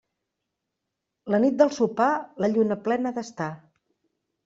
La nit del Sopar, la lluna plena ha d'estar.